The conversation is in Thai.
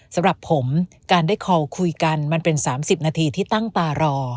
สำหรับผมการได้คอลคุยกันมันเป็น๓๐นาทีที่ตั้งตารอ